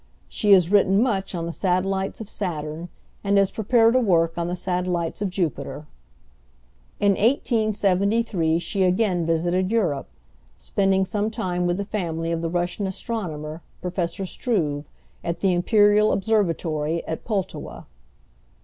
She has written much on the Satellites of Saturn, and has prepared a work on the Satellites of Jupiter. In 1873 she again visited Europe, spending some time with the family of the Russian astronomer, Professor Struve, at the Imperial Observatory at Pultowa.